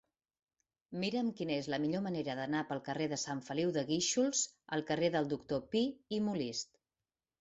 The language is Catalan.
Mira'm quina és la millor manera d'anar del carrer de Sant Feliu de Guíxols al carrer del Doctor Pi i Molist.